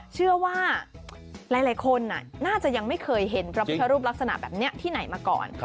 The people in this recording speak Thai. เชื่อว่าหลายคนน่าจะยังไม่เคยเห็นพระพุทธรูปลักษณะแบบนี้ที่ไหนมาก่อน